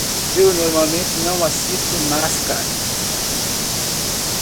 Eu normalmente não assisto Nascar.